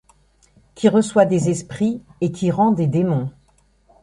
Qui reçoit des esprits et qui rend des démons